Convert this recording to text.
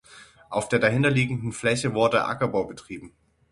Auf der dahinter liegenden Fläche wurde Ackerbau betrieben.